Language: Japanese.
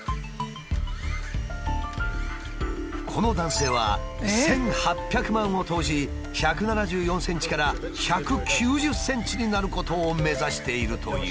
この男性は１，８００万を投じ１７４ｃｍから１９０ｃｍになることを目指しているという。